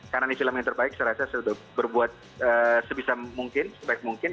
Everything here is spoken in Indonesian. karena ini film yang terbaik saya rasa sudah berbuat sebisa mungkin sebaik mungkin